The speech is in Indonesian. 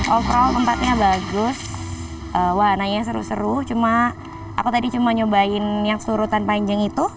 overall tempatnya bagus warnanya seru seru cuma aku tadi cuma nyobain yang surutan panjang itu